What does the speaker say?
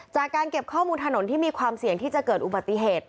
จากการเก็บข้อมูลถนนที่มีความเสี่ยงที่จะเกิดอุบัติเหตุ